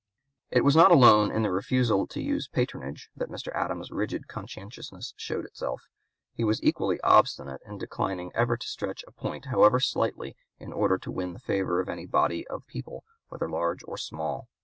It was not alone in the refusal to use patronage that Mr. Adams's rigid conscientiousness showed itself. He was equally obstinate in declining ever to stretch a point however slightly in order to (p. 201) win the favor of any body of the people whether large or small.